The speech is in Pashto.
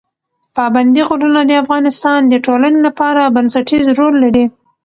پابندی غرونه د افغانستان د ټولنې لپاره بنسټيز رول لري.